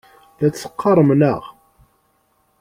La t-teqqarem, naɣ?